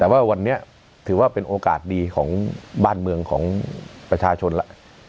แต่ว่าวันนี้ถือว่าเป็นโอกาสดีของบ้านเมืองของประชาชนแล้ว